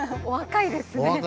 お若いですね。